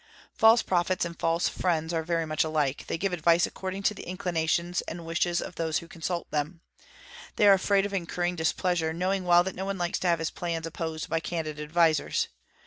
False prophets and false friends are very much alike, they give advice according to the inclinations and wishes of those who consult them. They are afraid of incurring displeasure, knowing well that no one likes to have his plans opposed by candid advisers.